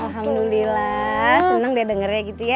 alhamdulillah senang deh dengarnya gitu ya